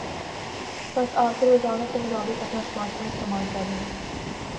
پس آپ کو روزانہ کے مطابق اپنا سمارٹ فون استعمال کر ہے